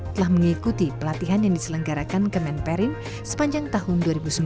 telah mengikuti pelatihan yang diselenggarakan kemenperin sepanjang tahun dua ribu sembilan belas